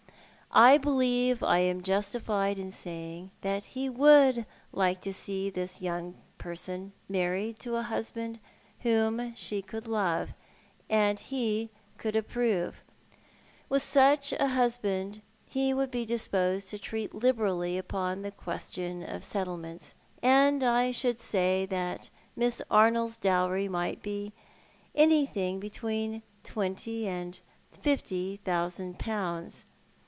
I believe I am justified in saying that he would like to see this young person married to a husband whom she could love, and he could approve. With such a husband he would be disposed to treat liberally upon the question of settlements; and I should say that Miss Arnold's dowry might be anything between twenty and fifty thousand i)0unds.